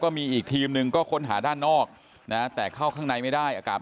มีอีกทีมหนึ่งก็ค้นหาด้านนอกนะแต่เข้าข้างในไม่ได้อากาศ